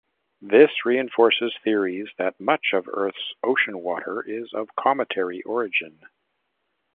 This reinforces theories that much of Earth's ocean water is of cometary origin.